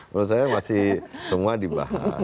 menurut saya masih semua dibahas